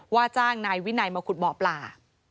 ว่าจ้างนายวินัยมาขุดบ่อปลา